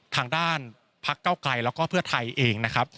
ทางด้านพักเก้าไกลแล้วก็เพื่อไทยเองนะครับ